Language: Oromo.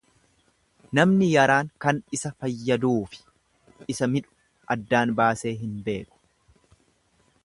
Namni yaraan kan isa fayyaduufi isa midhu addaan baasee hin beeku.